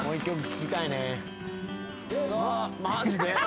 「マジで？」